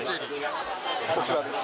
こちらです